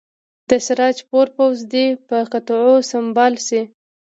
د سراج پور پوځ دې په قطعو سمبال شي.